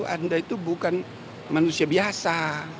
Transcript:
anda itu bukan manusia biasa